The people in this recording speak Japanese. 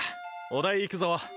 お題いくぞ。